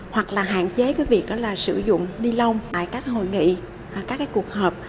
hoặc là hạn chế cái việc đó là sử dụng đi lông tại các hội nghị các cái cuộc hợp